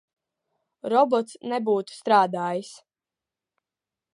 Robots nebūtu strādājis.